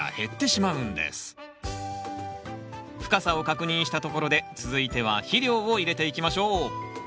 深さを確認したところで続いては肥料を入れていきましょう